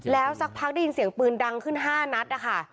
แล้วสักพักได้ยินเสียงปืนดังขึ้น๕นัดนะคะ